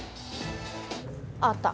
ああった。